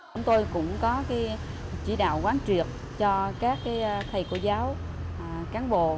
chúng tôi cũng có chỉ đạo quán truyệp cho các thầy cô giáo cán bộ